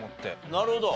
なるほど。